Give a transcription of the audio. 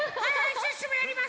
シュッシュもやります！